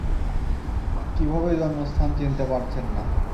কীভাবে জন্মস্থান চিনতে পারছেন না?